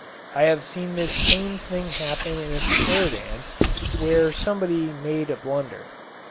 I have seen this same thing happen in a square dance where somebody made a blunder.